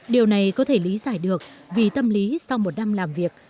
điều này có thể lý giải được vì tâm lý sau một năm làm việc